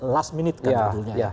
last minute kan jadulnya